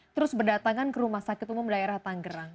terus berdatangan ke rumah sakit umum daerah tanggerang